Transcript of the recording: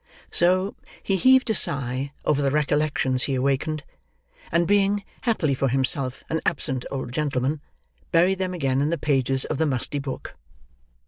So, he heaved a sigh over the recollections he awakened; and being, happily for himself, an absent old gentleman, buried them again in the pages of the musty book.